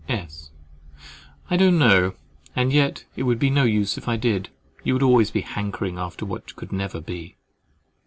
"S. I don't know: and yet it would be of no use if I did, you would always be hankering after what could never be!"